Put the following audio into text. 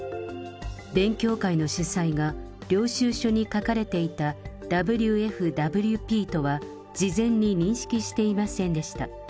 勉強会の主催が、領収書に書かれていたＷＦＷＰとは、事前に認識していませんでした。